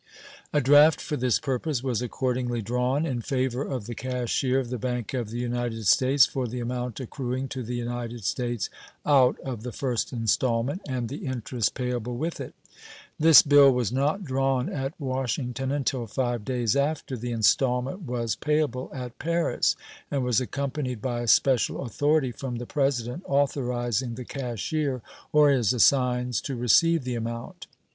A draft for this purpose was accordingly drawn in favor of the cashier of the Bank of the United States for the amount accruing to the United States out of the first installment, and the interest payable with it. This bill was not drawn at Washington until five days after the installment was payable at Paris, and was accompanied by a special authority from the President authorizing the cashier or his assigns to receive the amount.